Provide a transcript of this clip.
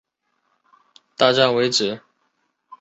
该线与北总线共用设施直至印幡日本医大站为止。